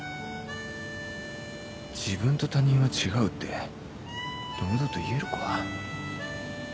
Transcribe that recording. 自分と他人は違うって堂々と言えるか？